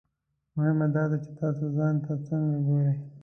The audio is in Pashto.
مهمه دا ده چې تاسو ځان ته څنګه ګورئ.